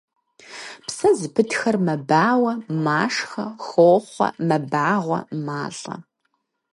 Псэ зыпытхэр мэбауэ, машхэ, хохъуэ, мэбагъуэ, малӀэ.